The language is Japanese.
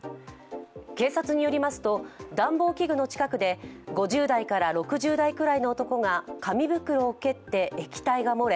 警察によりますと、暖房器具の近くで５０代から６０代くらいの男が紙袋を蹴って液体が漏れ